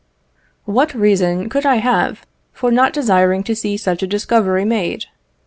What reason could I have for not desiring to see such a discovery made?